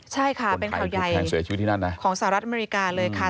ใช่ค่ะเป็นข่าวใหญ่ของสหรัฐอเมริกาเลยค่ะ